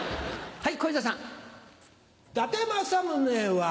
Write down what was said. はい。